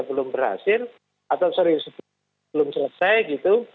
belum berhasil atau sorry sebelum selesai gitu